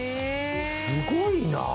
すごいなあ。